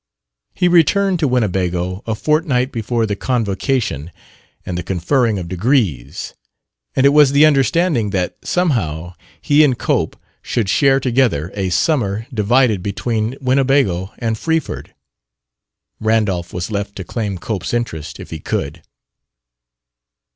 He returned to Winnebago a fortnight before the convocation and the conferring of degrees; and it was the understanding that, somehow, he and Cope should share together a summer divided between Winnebago and Freeford. Randolph was left to claim Cope's interest, if he could.